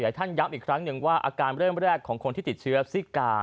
ท่านย้ำอีกครั้งหนึ่งว่าอาการเริ่มแรกของคนที่ติดเชื้อซิกา